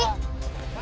iya gak ada apa apa